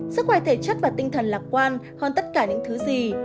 sức khỏe thể chất và tinh thần lạc quan hơn tất cả những thứ gì